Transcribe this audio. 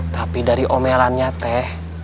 tapi dari omelannya teh